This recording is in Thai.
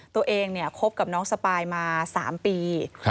ตัวเองเนี่ยคบกับน้องสปายมา๓ปี